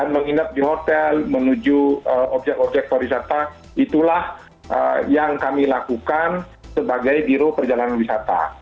menuju hotel menuju objek objek perwisata itulah yang kami lakukan sebagai biru perjalanan wisata